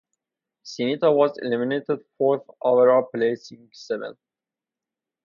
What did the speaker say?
Sinitta was eliminated fourth overall placing seventh.